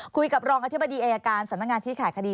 คุยกับรองอธิบดีอายการสำนักงานชี้ขาดคดี